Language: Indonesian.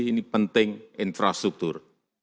ini penting infrastruktur